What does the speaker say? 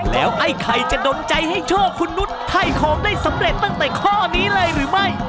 แล้วไอ้ไข่จะดนใจให้โชคคุณนุษย์ไทยของได้สำเร็จตั้งแต่ข้อนี้เลยหรือไม่